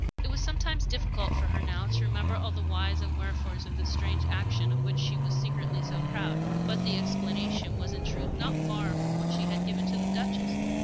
It was sometimes difficult for her now to remember all the whys and wherefores of this strange action of which she was secretly so proud. But the explanation was in truth not far from that she had given to the Duchess.